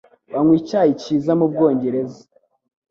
Banywa icyayi cyiza mubwongereza.